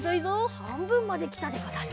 はんぶんまできたでござる。